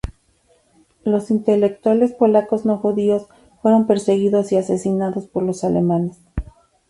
Los intelectuales polacos no judíos fueron perseguidos y asesinados por los alemanes.